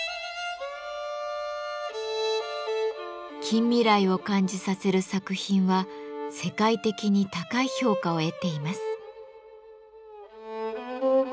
近未来を感じさせる作品は世界的に高い評価を得ています。